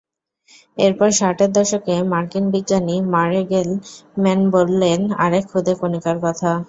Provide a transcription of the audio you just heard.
এরপর ষাটের দশকে মার্কিন বিজ্ঞানী মারে গেল-ম্যান বললেন আরেক খুদে কণিকার কথা।